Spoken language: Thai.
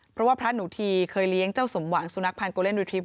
เพราะพระหนูธีเคยเลี้ยงเจ้าสมวงสุนัขพันธ์